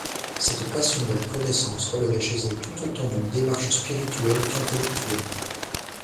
Cette passion de la connaissance relevait chez elle tout autant d'une démarche spirituelle qu'intellectuelle.